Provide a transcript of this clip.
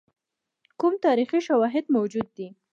کوم تاریخي شواهد موجود دي.